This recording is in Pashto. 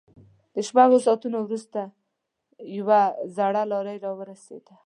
له شپږو ساعتونو وروسته يوه زړه لارۍ را ورسېده.